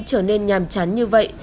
trở nên nhàm chán như vậy